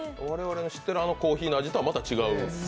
我々が知ってるあのコーヒーの味とはまた違う？